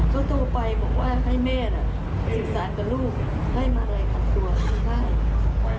เขาโทรไปบอกว่าให้แม่น่ะไปสื่อสารกับลูกให้มารายงานตัวที่บ้าน